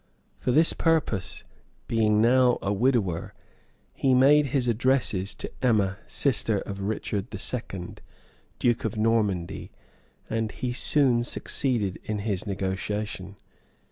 For this purpose, being now a widower, he made his addresses to Emma, sister to Richard II., duke of Normandy, and he soon succeeded in his negotiation.